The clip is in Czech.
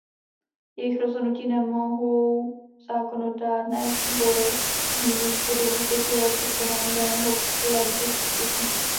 Jejich rozhodnutí nemohou zákonodárné sbory změnit po dobu pěti let od konání daného plebiscitu.